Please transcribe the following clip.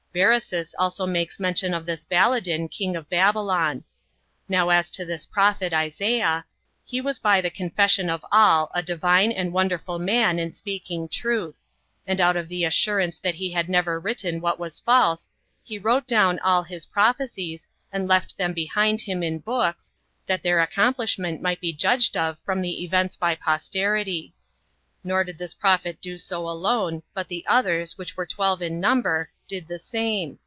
Berosus also makes mention of this Baladan, king of Babylon. Now as to this prophet [Isaiah], he was by the confession of all, a divine and wonderful man in speaking truth; and out of the assurance that he had never written what was false, he wrote down all his prophecies, and left them behind him in books, that their accomplishment might be judged of from the events by posterity: nor did this prophet do so alone, but the others, which were twelve in number, did the same.